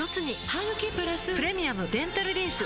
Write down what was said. ハグキプラス「プレミアムデンタルリンス」